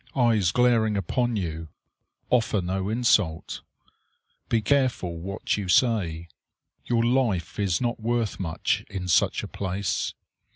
Eyes glaring upon you. Offer no insult. Be careful what you say. Your life is not worth much in such a place.